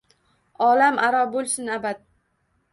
Olam aro boʼlsin abad